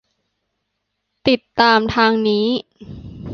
ติดตามทางนี้